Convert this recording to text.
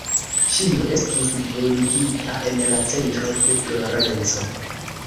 Ĉio estis bruligita en la centro de Florenco.